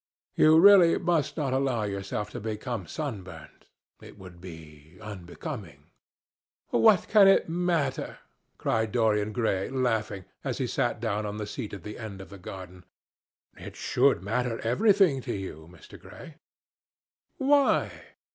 You really must not allow yourself to become sunburnt. It would be unbecoming." "What can it matter?" cried Dorian Gray, laughing, as he sat down on the seat at the end of the garden. "It should matter everything to you, Mr. Gray." "Why?"